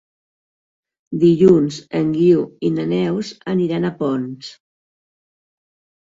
Dilluns en Guiu i na Neus aniran a Ponts.